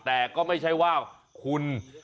แต่ก็ไม่ใช่ว่าคุณ